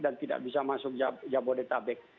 dan tidak bisa masuk jabodetabek